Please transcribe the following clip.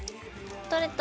取れた。